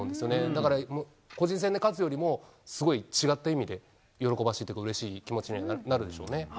だから、個人戦で勝つよりも、すごい違った意味で喜ばしいとかうれしい気持ちにはなるでしょう